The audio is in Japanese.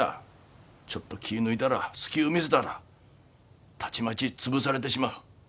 ちょっと気ぃ抜いたら隙ゅう見せたらたちまち潰されてしまう。